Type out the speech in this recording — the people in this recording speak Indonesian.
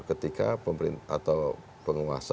ketika pemerintahan atau penguasa